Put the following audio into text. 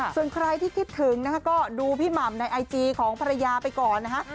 ส่วนใครที่คิดถึงนะคะก็ดูพี่หม่ำในไอจีของภรรยาไปก่อนนะฮะ